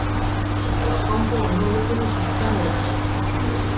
ଲୋକଙ୍କ ଅନୁଭୂତିରୁ ଶିକ୍ଷା ମିଳିଥାଏ ।